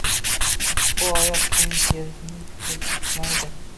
Bu oyoq kiyim terisining quritmaydi.